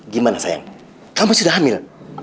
gimana sayang kamu sudah hamil